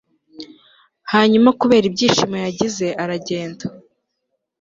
Hanyuma kubera ibyishimo yagize aragenda